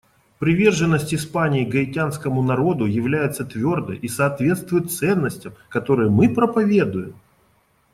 Приверженность Испании гаитянскому народу является твердой и соответствует ценностям, которые мы проповедуем.